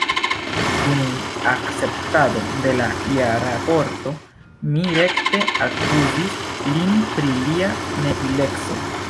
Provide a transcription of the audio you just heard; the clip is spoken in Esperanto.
Dum akceptado de la jarraporto mi rekte akuzis lin pri lia neutileco.